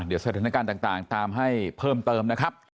เดี๋ยวสถานการณ์ต่างตามให้เพิ่มเติมนะครับ